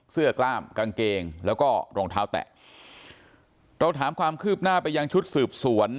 กล้ามกางเกงแล้วก็รองเท้าแตะเราถามความคืบหน้าไปยังชุดสืบสวน